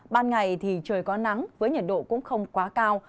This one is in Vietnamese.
ban ngày thì trời có nắng với nhiệt độ cũng không quá cao